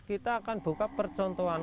kita akan buka percontohan